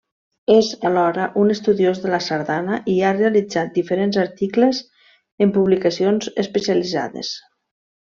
És alhora un estudiós de la sardana i ha realitzat diferents articles en publicacions especialitzades.